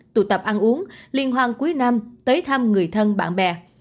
tụ tập ăn uống liên hoan cuối năm tới thăm người thân bạn bè